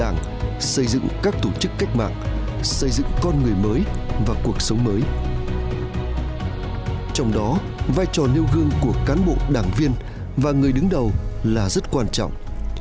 nêu gương của cán bộ đảng viên và người đứng đầu là rất quan trọng